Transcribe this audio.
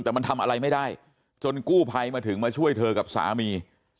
แต่มันทำอะไรไม่ได้จนกู้ภัยมาถึงมาช่วยเธอกับสามี